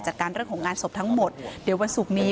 จัดการเรื่องของงานศพทั้งหมดเดี๋ยววันศุกร์นี้